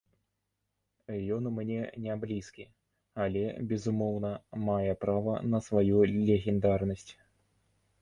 Ён мне не блізкі, але, безумоўна, мае права на сваю легендарнасць.